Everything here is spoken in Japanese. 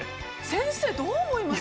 先生どう思います？